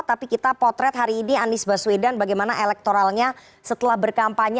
tapi kita potret hari ini anies baswedan bagaimana elektoralnya setelah berkampanye